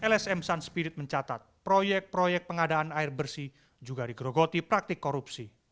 lsm sun spirit mencatat proyek proyek pengadaan air bersih juga digerogoti praktik korupsi